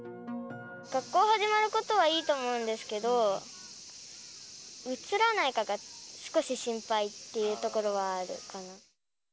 学校が始まることはいいと思うんですけど、うつらないかが少し心配っていうところはあるかな。